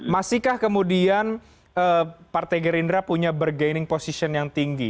masihkah kemudian partai gerindra punya bergaining position yang tinggi